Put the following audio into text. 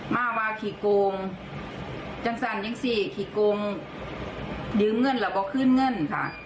มาว่าคิโกงจังสั่นจะจังสี่คิโกงยื้องเงินแล้วก็ครื่นเงินค่ะ